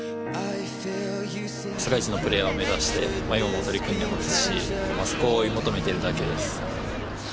世界一のプレーヤーを目指して今も取り組んでますしそこを追い求めてるだけです。